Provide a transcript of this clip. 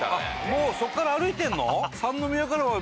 もうそっから歩いてんの？